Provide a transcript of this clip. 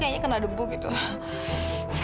dan mungkin membuat nyawa